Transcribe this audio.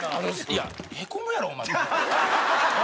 いやへこむやろお前これ。